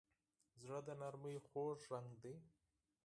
زړه د نرمۍ خوږ رنګ دی.